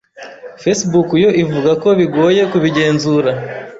Facebook yo ivuga ko bigoye kubigenzura